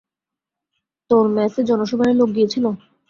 তোর মেসে জনশুমারির লোক গিয়েছিলো?